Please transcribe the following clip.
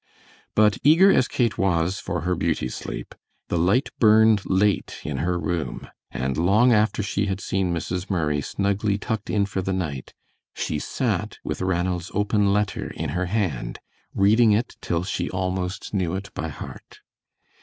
But eager as Kate was for her beauty sleep, the light burned late in her room; and long after she had seen Mrs. Murray snugly tucked in for the night, she sat with Ranald's open letter in her hand, reading it till she almost knew it by heart.